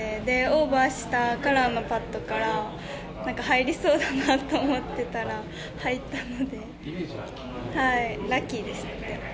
オーバーしてからのパットが入りそうだなと思っていたら入ったのでラッキーでした。